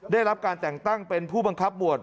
ได้รับการแต่งตั้งเป็นผู้บังคับหมวด